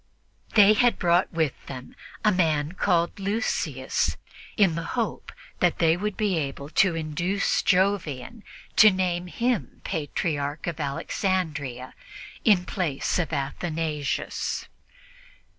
They had brought with them a man called Lucius in the hope that they would be able to induce Jovian to name him Patriarch of Alexandria in place of Athanasius.